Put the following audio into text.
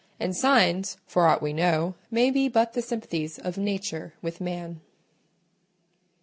And signs, for aught we know, may be but the sympathies of Nature with man.